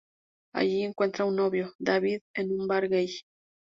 Allí encuentra un novio, David, en un bar gay.